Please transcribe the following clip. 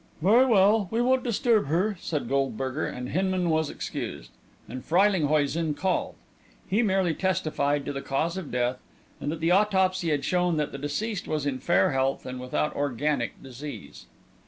"Very well; we won't disturb her," said Goldberger, and Hinman was excused, and Freylinghuisen called. He merely testified to the cause of death and that the autopsy had shown that the deceased was in fair health and without organic disease.